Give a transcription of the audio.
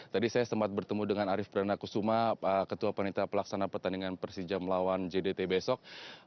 tadi saya sempat bertemu dengan arief pranakusuma ketua panita pelaksana pertandingan persija melawan jdt besok